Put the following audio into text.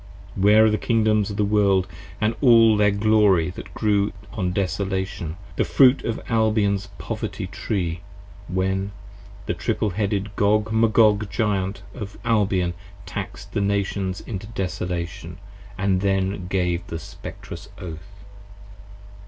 Where are the Kingdoms of the World & all their glory that grew on Desolation, The Fruit of Albion's Poverty Tree, when the Triple Headed Gog Magog Giant Of Albion Taxed the Nations into Desolation, & then gave the Spectrous Oath?